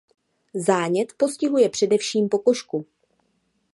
Zánět postihuje především pokožku.